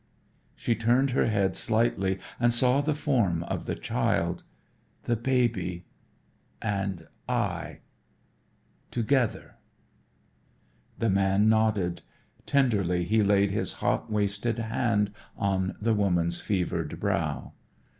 She turned her head slightly and saw the form of the child. "The Baby and I together." The man nodded. Tenderly he laid his hot wasted hand on the woman's fevered brow.